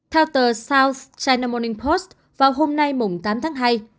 theo tờ south china morning post vào hôm nay tám tháng hai